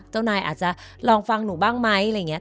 เจ้านายอาจจะลองฟังหนูบ้างไหมอะไรอย่างนี้